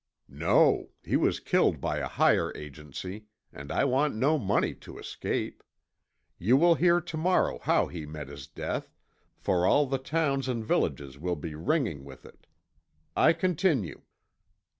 "No. He was killed by a higher agency, and I want no money to escape. You will hear to morrow how he met his death, for all the towns and villages will be ringing with it. I continue.